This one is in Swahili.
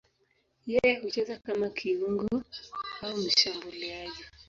Yeye hucheza kama kiungo au mshambuliaji.